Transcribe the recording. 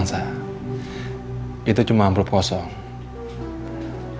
nah saya udah taruh di rumah